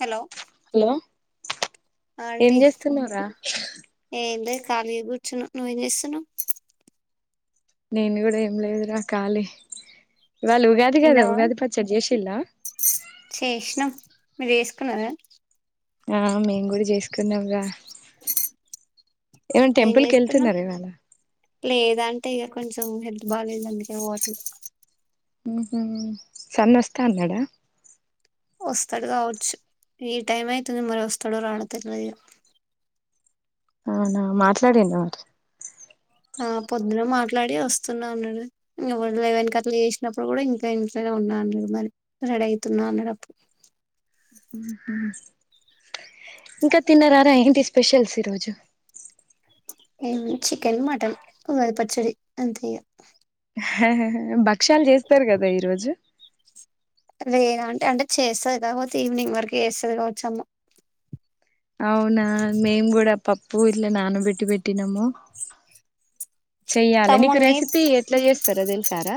Hello hello ఏం aunty చేస్తున్నావురా ఎంలేద్ ఖాళీగ కూర్చున నువ్వేం చేస్తున్నా్వు నేను కూడా ఏం లేదురా కాలీ ఇవాళ ఉగాది కాద తిన్నావా ఉగాది పచ్చడ జేషీల్ల మీర్ జేసుకున్నారా ఆ మేమ్ గూడా జేస్కున్నాం రా ఏమన్ టెంపుల్ కేళ్తున్నారు ఇవాళ లేద్ అంటే ఇగ కొంచం హెల్త్ బాలేద్ అందుకే పోవట్లే మ్ హు సన్నోస్తాన్నాడ వస్తాడ్ కావచ్చు ఎ టైమైతదో మరోస్తడో రాడో తేల్వదిగా అవునా మాట్లాడిండ మరి ఆ పొద్దున మాట్లాడి వస్తున్నా అన్నాడు లెస్నాప్పుడ్ గూడా ఇంకా ఇంట్లనే ఉం నా అన్నడు మరి రెడైతున్నా అన్నాడ్ అప్పుడు మ్ హు ఇంకా తిన్నారారా ఏంటి స్పెషల్స్ ఈ రోజు ఏముంది చికెన్ మటన్ ఉగాది పచ్చడి అంతే ఇగ భక్ష్యాల్ జేస్తార్ గదా ఈరోజు లేద అంటే అంటే చేస్తద్ కాకపోతే ఈవినింగ్ వరకు చేస్తది కావోచ్చు అమ్మ అవునా మేం గూడా పప్ ప్పు ఇట్లా నానబెట్టి పెట్టినాము చెయ్యాలి నీక్ తమ్మున్ని రెసిపీ ఎట్లా చేస్ స్తారో దేల్సారా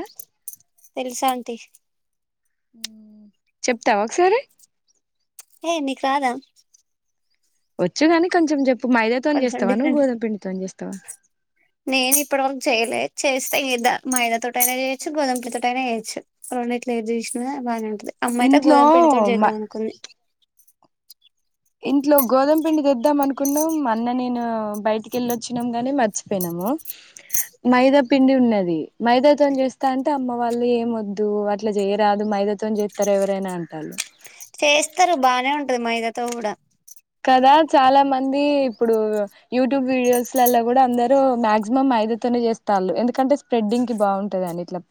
తెల్స్ అంటీ చెప్తావా ఒకసారి ఏ నీక్ రాదా వచ్చుగాని కొంచం జెప్ కొంచం డిఫరెంట్ చేస్తావా నేన్ ఇప్పటివరక్ చేయలే చేస్ చెయోద మైదా తొటైన జేయచు గోదంపిండి తొటైన జేయచు రొండిట్లో ఎద్ జేస్నా బానేఉం అమ్మైతే ఇంట్లో గోదాంపిండి తోట్ మ జేదాం అనుకుంది ఇంట్లో గోధం పిండి తెద్దాం అనుకున్నాం మర్ అన్న నేను బైటికెళ్ళొచ్చినాం గాని మర్చిపోయినాము మైదా పిండి ఉన్నది మైదాతోన్ జేస్తా అంటే అమ్మ వాళ్ళు ఏం వద్దు అట్లా జేయరాదు మై మైదతోన్ జేత్తర ఎవరైనా అంటాళ్ళు చేస్తారు బానే ఉంటది మైదాతో గూడా కదా చాలా మంది ఇప్పుడు యూట్యూబ్ వీడియోస్లలో గూడా అందరు మాక్సిమం మై దతొనే జేస్తాన్లు ఎందుకంటే స్ప్రెడింగ్ కి బాగుంటదనిట్లా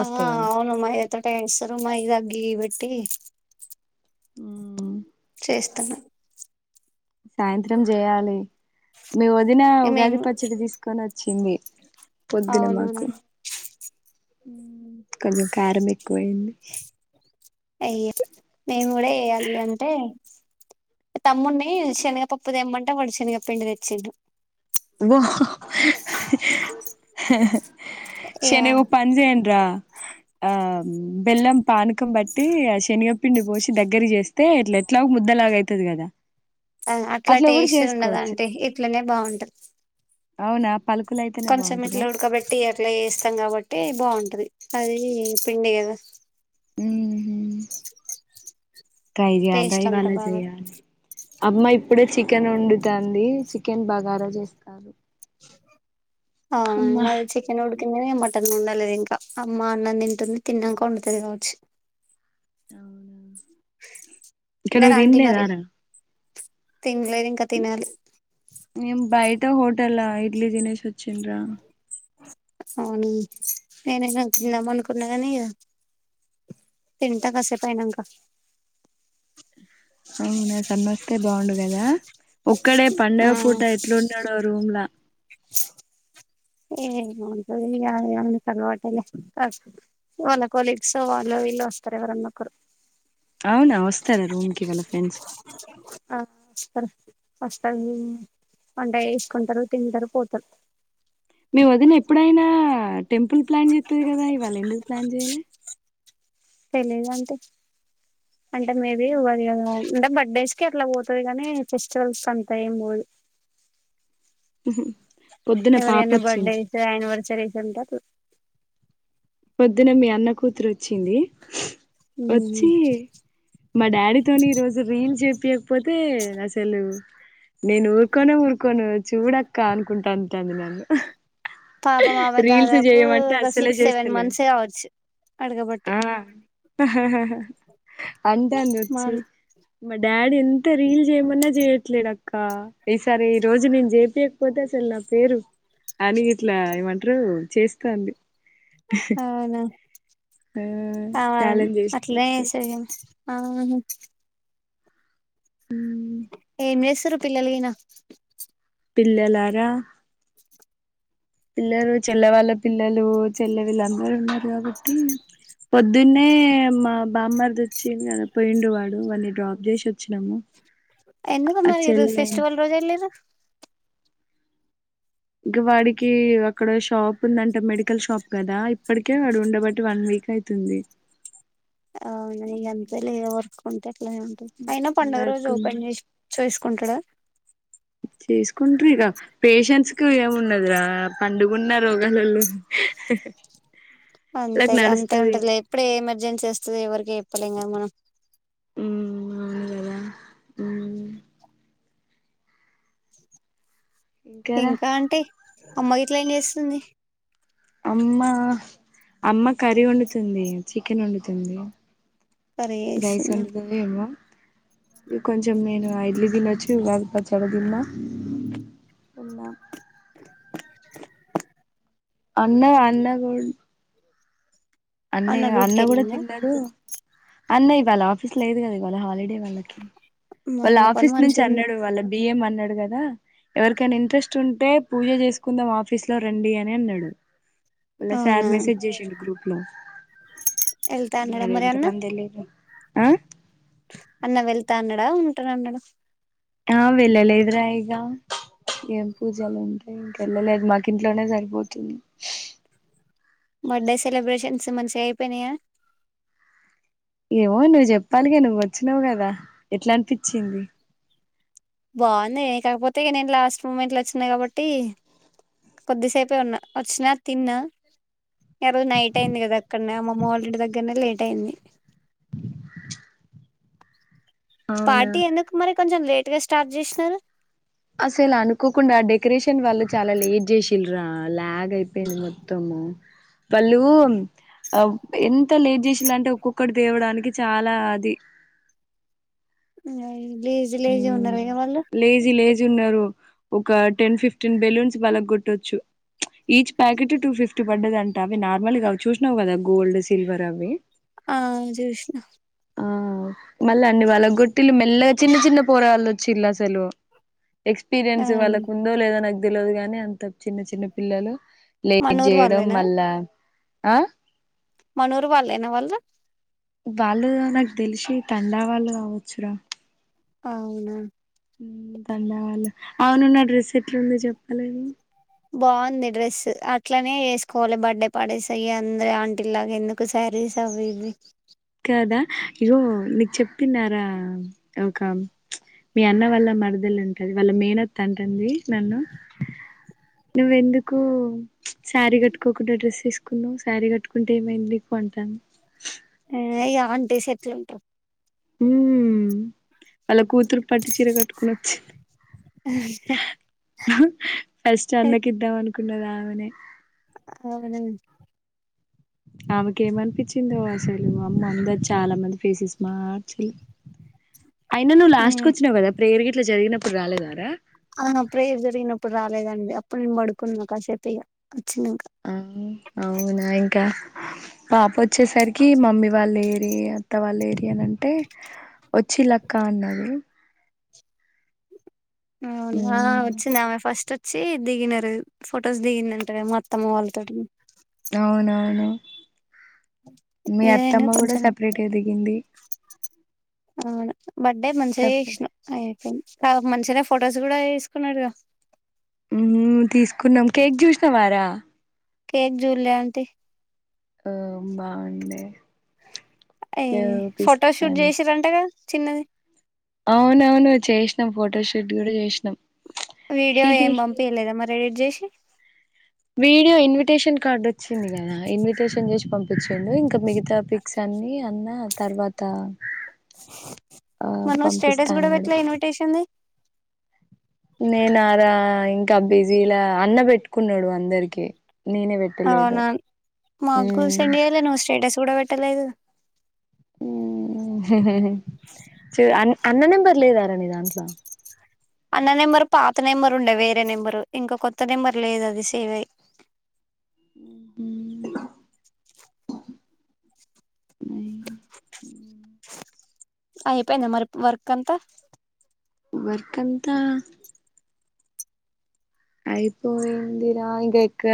ఆ అవును మైదతొటే చేసుర్రు మైదక్ గీ బెట్టి చేస్తున్నా సాయంత్రం జేయాలి మీ వదిన ఉగాది మేము పచ్చడి దీస్కొనోచ్చింది పొద్దున అవునవును మాకు కొంచం కారం ఎక్కువై ది అయ్యో మేము గూడా వెయ్యాలి అంటే తమ్మున్ని శనగ పప్పు దేమ్మంటే వాడ్ శనగ పిండి తేచ్చిండు ఒ ఇగ శనుగవ్ పంజెండ్ర ఆ బెల్లం పానకం బట్టి ఆ శనిగ పిండి పోసి దగ్గర జేస్తే ఎట్ల ఎట్లా ట్లాగ్ ముద్దలగైతది గదా అ అట్లా టేస్ట్ ఉండదాంటీ ఇట్లనే బాగుంటద్ అవునా పలుకులు అయితేనే కొంచం బాగుంటదా ఇట్లా ఉడకబెట్టి అట్లా చేస్తాం కాబట్టి బాఉం టది అది పిండిగదా మ్ హు ట్రై జేయాల్రా టేస్ట్ అంతా ఇవళ బాగా జెయ్యాలి అమ్మా ఇప్పుడే చిక్ కెన్ వండుతంది చికెన్ బగారా జేస్తారు అవును మాది చికెన్డుకింది మటన్ ఉండ. లేద్ ఇంకా అమ్మ అన్న తింటుంది తిన్నంక వొండుతది కావచ్చు అవునా ఇక తిన్నారా నువ్వు ఆంటీ తిన్లేదా మరి రా. తినలేదు ఇంకా తినాలి. నేను బయటా హోటల్ల ఇడ్లీ తినిషి వొచ్చిన్ రా. అవును నేనైనా తిందాం ఉ అనుకున్నా కాని ఇగ. తింట కాసేపు అయినంక. అవునా సన్ను వొస్తే బాగుండు గదా. ఒక్కడే ఆ పండగ పూట ఎట్లున్నడొ రుమ్లా. ఏం ఉంటంది ఇగ అన్ అది తరువాతలే [unintelligible] వాళ్ళు కొలీగ్స్ వాళ్ళో విల్లో వొస్తారు ఎవరు అన్న ఒకరు. అవునా వొస్తారా రూమ్ కి వాళ్ళ ఫ్రెండ్స్. ఆహ్ వస్తారు వంట చెసుకుంటారు తింటరు పోతారు. మీ వొదిన ఎప్పుడైనా టెంపుల్ ప్లాన్ చెత్తది గద ఇవాళ ఎందుకు ప్లాన్ చేయాలే. తెలీదు అంటే అంటే మే బి ఉగాది గదా. అంటే బర్త్డేస్ కి అట్లా పోతది గాని ఫెస్టివల్స్కంతా ఏం పోదు. ఉహూ. ఎవరైన బడ్డేస్ అనివర్సరీస్ ఉంటే అట్ల. పొద్దున మీ అన్న కూతురు వొచ్చింది. వచ్చి మా డాడీతోని ఈ రోజు రీల్ చేపియక్. పోతే అసలు నేను ఊరుకోనే ఊరుకోను చూడక్క అంటంది. రీల్స్ చేయమంటే అసలే చేస్. టెన్ మంత్సే ఆవచ్చు. ఆహ్ హ హ హ అంటాంది వచ్చి మన్ మా డాడ్. డాడి ఎంత రీల్ చేయమన్నా చేయట్లే అత్. అక్క ఈసారి ఈ రోజు నేను చేపియకపోతే అసలు నా పేరు. అని ఇట్లా ఏమంటారు చేస్తాంది. అవునా ఆ ఆమె ఛాలెంజ్ అట్లనే చేసినట్టు చేస్తది గాని. ఆహా. ఏం చేస్తుండ్రు పిల్లల్ గినా. పిల్లలార. పిల్లలు చెల్లె వాళ్ళ పిల్లలు చెల్లె వీళ్ళందరూ ఉన్నరు కాబట్టి. పొద్దున్నే మా బామ్మారిది వొచ్చిండు గదా పోయిండు వాడు వాన్నీ డ్రాప్ చేసి వచ్చినము. ఎందుకు మరి ఈ రోజ్ ఫెస్టివల్ రోజు వెళ్ళింరు. ఇంక వాడికి అక్కడ షాప్ ఉందంటే మెడికల్ షాప్ కదా ఇప్పటికే వాడు ఉండబట్టి వన్ వీక్. ఇంకా అయితుంది. అవునా ఇగ అంతేలే వర్క్ ఉంటే అట్లనే ఉంటది. అయిన పండుగ రోజు వర్క్ ఉంది ఓపెన్ చేష్. చేసుకుంటడా. చేసుకుంట్ర ఇగ పేషంట్స్ కు ఏమున్నది రా పండుగున్న రోగాలల్లో. అంతేలే అంతే నడుస్తది ఉంటదిలే ఎప్పుడు ఏ ఎమర్జెన్సీ వొస్తదో ఎవరికి చెప్పలేం గదా మనం. ఉమ్ అవునుగదా ఉమ్. ఇంకారా ఇంకా అంటే అమ్మ గిట్ల ఏం చేస్తుంది. అమ్మ అమ్మ కర్రీ వొండుతుంది చికెన్ వొండుతుంది. కర్రీ రైస్ చేస్తుందా వొండుతది ఏమో. ఈ కొంచెం నేను ఆ ఇడ్లీ తినొచ్చు ఉగాది పచ్చడి తిన్నా. ఉన్నా అన్నయ్ అన్న గూడ్ అన్నయ్య అన్న డ్యూటీకి గూడ వెళ్ళిండా తిన్నడు అన్న ఇవాళ ఆఫీస్ లేదు గదా ఇవాళ హాలిడే మా వాళ్ళ అన్న పని ఆఫీస్ నుంచి మంచిగా ఉంది అన్నడు వాళ్ళ బి ఎం అన్నడు కదా ఎవరికైనా ఇంట్రెస్ట్ ఉంటే పూజ చేసుకుందాం ఆఫీస్ లో రండి అని అన్నడు వాళ్ల సార్ అవునా మెసేజ్ జెశిండు గ్రూప్. ఉమ్ వెళ్తా అన్నాడా మీరు మరి ఎంత అన్న మంది ఎల్లిండ్రు. అన్న వెళ్తా అన్నాడ ఉంట్రాన్నాడా. ఆహ్ వెళ్లలేద్ర ఇగ. ఏం పూజలు ఉంటాయి ఇంకెళ్ళలేదు మాకు ఇంట్లోనే సరిపోతుంది. బర్త్డే సెలబ్రేషన్స్ మంచిగా అయిపోయినాయ ఏమో నువ్వు చెప్పాలిగా నువ్వు వచ్చినావు గద ఎట్లా అనిపించింది బావ్వుంది కాకపోతే నేను లాస్ట్ మూమెంట్ల ఒచ్చిన కాబట్టి కొద్దీ సేపే ఉన్న ఒచ్చిన తిన్న ఆ రోజు నైట్ అయింద్ గద అక్కడనే అమ్మమ్మవాల్ ఇంటి దగ్గరనే లేట్ అయింది అవునా పార్టీ ఎందుకు మరి కొంచెం లేట్ గా స్టార్ట్ జెశనారు అసల్ అనుకోకుండా డెకొరేషన్ వాళ్లు చాలా లేట్ జెషిల్ ల లాగ్ అయిపోయింద్ మొత్తం మ్మ్ వాళ్ళు అబ్ ఎంత లేట్ జీషిలంటే ఒక్కొక్కట్ దేవడానికి చాలా అది లేజీ లేజీ మ్ ఉన్నార ఇగ వాళ్ళు లేజీ లేజీ ఉన్నారు ఒక టెన్ ఫిఫ్టీన్ బేలూన్స్ వాళ్లగొటొచ్చు ఈచ్ ప్యాకెటు టుఫిఫ్టీ పడ్డదంట అవి నార్మల్ వి కావ్ చూశనావ్ గద గోల్డ్ సిల్వర్ అవి ఆ చూసిన ఆ మళ్ళా అన్ని వాళ్ళగోట్టిలు మెల్లగ్ చిన్న చిన్న పోరాగాన్లు ఒచ్చిల్ అసలు ఎక్స్పీరియన్స్ వాళ్ళకు ఉందో లేదా నాక్ తెల్వద్ గాని అంత చిన్న చిన్న పిల్లలు లేట్ మనూరు జెయడం వాళ్ళేనా మల్ల ఆ మనూరు వాళ్లే నా వాళ్ళు వాళ్ళు నాకు దేలషి తండా వాళ్ళు కావచ్చు రా అవునా తండా వాలా అవును నా డ్రెస్ ఎట్లుంది జెపలేవు బావుంది డ్రెస్ అట్లనే ఏసుకోవాలి బర్త్డే పార్టీస్ అయ్యి అందర్ ఆంటీ లాగా ఎందుకు సర్ సారీస్ అవి ఇవి కాదా ఇగో నీక్ చూపిన్నారా ఒక మీ అన్న వాళ్ళ మరదలు ఉంటది వాళ్ళ మేనత్త అంటుంది నన్ను నువ్ ఎందుకు సారీ కట్టుకోకుండా డ్రెస్ ఏసుకున్నావ్ సారీ కట్టుకుంటే ఏమైంద్ నీకు అంటంది ఏ ఈ అంటిఎస్ ఎట్లుంటర్ మ్ అళ్ళ కూతురు పట్టు చీర కట్టుకొని ఒచ్చింది హ ఫస్ట్ అన్నకిదం అనుకున్నది ఆమెనే అవున ఆమెకేమనిపిచిందో అసలు అమ్మ అందరు చాలా మంది ఫేసేస్ మార్చలె అయినా నువ్వు ఏ లాస్ట్ కొచ్చినావు కదా ప్రేయర్ ఇట్లా జరిగినప్పుడ్ రాలేదారా ఆహ ప్రేయర్ జరిగినప్పుడు రాలేదండి అప్పుడు నేను పడుకున్నా కాసేపు ఇగ వచ్చినంక ఆ అవునా ఇంక పాప ఒచ్చేసరికి మమ్మీ వాల్ ఏరి అత్త వాల్ ఏరి అని అంటే ఒచ్చిలక్క అన్నారు అవునా వచ్చింది ఆమె ఫస్ట్ వచ్చి దిగినారు ఫొటోస్ దిగిందంటే మా అత్తమ్మ వాళ్లత్ తడి అవునవును మీ ఏదైనా అత్తమ్మ గూడా కొంచెం సపరేట్గా దిగింది అవును బడ్డే మంచిగా సపరేట్ జెశనవ్ మంచిగానే ఫొటోస్ కూడా తీస్కునడ్ గ మ్ తీసుకున్నాం కేక్ చుశానవారా కేక్ జూల్లే ఆంటీ ఆ బాగుండే ఏయ్ ఫోటో షూట్ చూపిస్తాను జేసిరంటగా చిన్నది అవునవును చేశినం ఫోటోషూట్ కూడా జేశినం వీడియో ఏం బంపియలేదా మరి ఎడిట్ జేశి వీడియో ఇన్విటేషన్ కార్డ్ వొచ్చింది గదా ఇన్విటేషన్ జేశి పంపిచ్చిండు ఇంగ మిగతా పిక్స్ అన్నీ అన్న తర్వాత ఆ మర్నువ్ పంపిస్తా స్టేటస్ గూడా అన్నాడు వెట్లే ఇన్విటేషన్ది నేనా రా ఇంకా బిజీలా అన్న వెట్టుకున్నడు అందరికి నేనే పెట్టలేదు అవునా మగూ గూడా ఉమ్. సెండ్ చేయాలే నువు స్టేటస్ గూడా వెట్టలేదు మ్ హే హే హే చ్ అన్ అన్న నెంబర్ లేదారా నీదాంట్లా అన్న నెంబరు పాత నెంబరు ఉండే వేరే నెంబరు ఇంకా కొత్త నెంబర్ లేదు అది సేవయ్ ఉమ్. ఉమ్ అపేయింద మర్ప్ వర్క్ అంతా వర్క్ంతా అయిపోయింది రా ఇంకెక్క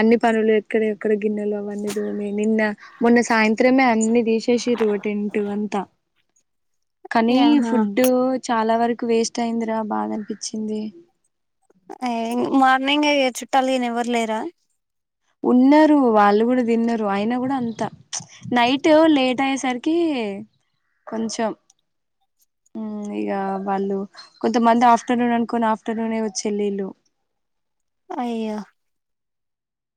అన్ని పనులు ఎక్కడియక్కడ గిన్నెలవన్నీ తోమ్ నిన్న మొన్న సాయంత్రమే అన్ని దిశేషిర్రు టెంటు అంతా కానీ ఆహా ఫుడ్డు చాలా వరకు వేస్ట్ అయిందిరా బాధన్పిచ్చింది ఎ ఏంగ్ మార్నింగే చుట్టాల్ గినెవ్వరు లేరా ఉన్నారు వాళ్ళు గూడా తిన్నరు ఆయన గూడా అంతా ప్చ్ నైటూ లేట్ అయ్యేసరికి కొంచెం మ్మ్ ఇగ వాళ్ళు కొంతమంది ఆఫ్టర్నూన్ అనుకొని ఆఫ్టర్నూన్ వచ్చేల్లిళ్లు అయ్యో